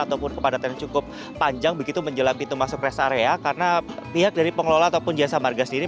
ataupun kepadatan yang cukup panjang begitu menjelang pintu masuk rest area karena pihak dari pengelola ataupun jasa marga sendiri